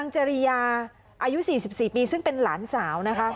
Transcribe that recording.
จริยาอายุ๔๔ปีซึ่งเป็นหลานสาวนะคะ